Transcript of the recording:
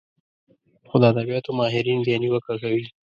خو د ادبياتو ماهرين بيا نيوکه کوي